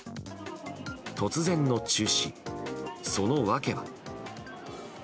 突然の中止、その訳は。